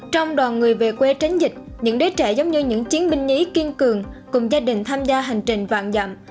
trong đoàn người về quê tránh dịch những đứa trẻ giống như những chiến binh nhí kiên cường cùng gia đình tham gia hành trình vàng dặm